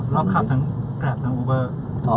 อกขับทั้งแกรบทั้งอูเบอร์